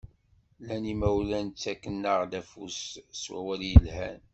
Llan imawlan ttaken-aɣ-d affud s wawal yelhan.